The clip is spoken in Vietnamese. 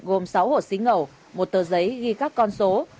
gồm sáu hộ xí ngẩu một tờ giấy ghi các con số